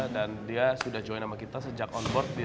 dan dia sudah join sama kita sejak on board